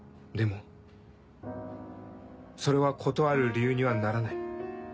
でもそれは断る理由にはならない。